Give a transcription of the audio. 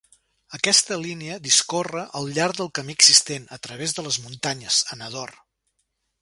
Aquesta línia discorre al llarg del camí existent, a través de les muntanyes, a Nador.